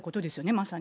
まさに。